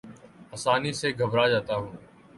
آسانی سے گھبرا جاتا ہوں